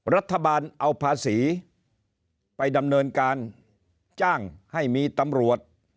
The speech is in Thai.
รัฐบาลเอาภาษีไปดำเนินการจ้างให้มีตำรวจ